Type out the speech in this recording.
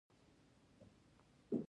تر ټولو لوړه څوکه د پامیر د غرونو مربوط ده